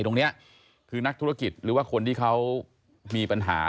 ตรงนี้คือนักธุรกิจหรือว่าคนที่เขามีปัญหา